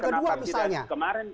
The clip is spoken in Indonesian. kenapa sepuluh fraksi menjadi tujuh